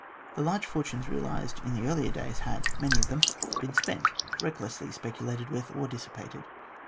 The large fortunes realised in the earlier days had, many of them, been spent, recklessly speculated with, or dissipated.